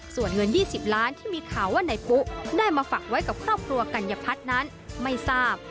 ส่วนเงิน๒๐ล้านที่มีข่าวว่านายปุ๊ได้มาฝักไว้กับครอบครัวกัญญพัฒน์นั้นไม่ทราบ